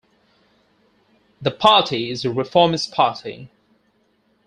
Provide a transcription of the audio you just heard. The party is a reformist party.